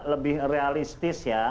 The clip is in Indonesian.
lebih realistis ya